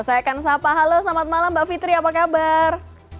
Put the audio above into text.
saya akan sapa halo selamat malam mbak fitri apa kabar